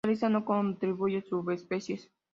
Esta lista no incluye subespecies.